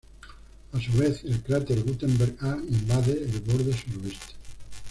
A su vez el cráter "Gutenberg A" invade el borde suroeste.